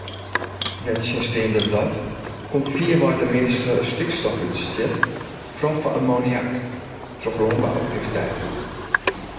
Nettsjinsteande dat komt fierwei de measte stikstofútsjit, foaral fan ammoniak, troch lânbou-aktiviteiten.